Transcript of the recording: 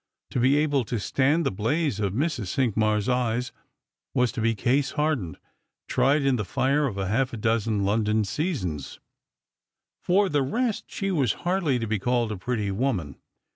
To be able to stand the blaze of Mrs. (^inqmars' eyes, was to be case« hardened, tried in the fire of half a dozen London seasons. Fot the rest, she was hardly to be called a pretty woman.